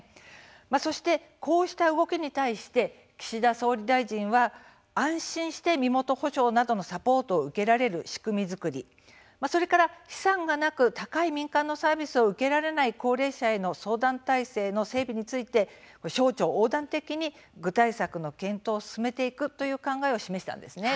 そして、こうした動きに対して岸田総理大臣は安心して身元保証などのサポートを受けられる仕組み作りそれから資産がなく高い民間のサービスを受けられない高齢者への相談体制の整備について省庁横断的に具体策の検討を進めていくという考えを示したんです。